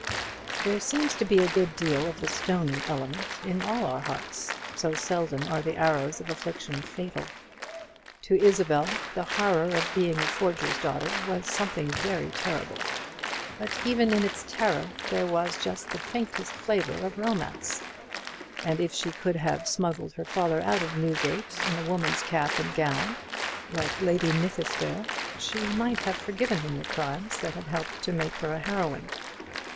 There seems to be a good deal of the stony element in all our hearts, so seldom are the arrows of affliction fatal. To Isabel the horror of being a forger's daughter was something very terrible; but even in its terror there was just the faintest flavour of romance: and if she could have smuggled her father out of Newgate in a woman's cap and gown, like Lady Nithisdale, she might have forgiven him the crimes that had helped to make her a heroine.